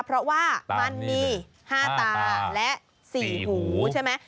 เพราะว่ามันมี๕ตาและ๔หูใช่ไหม